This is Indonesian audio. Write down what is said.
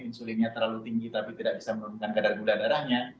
insulinnya terlalu tinggi tapi tidak bisa menurunkan kadar gula darahnya